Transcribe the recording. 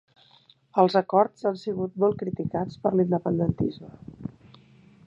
Els acords han sigut molt criticats per l'independentisme